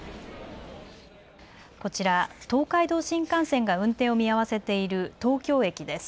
こちら東海道新幹線が運転を見合わせている東京駅です。